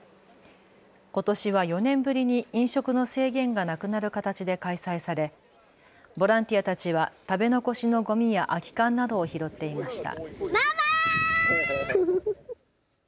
ことしは４年ぶりに飲食の制限がなくなる形で開催されボランティアたちは食べ残しのごみや空き缶などを拾っていました。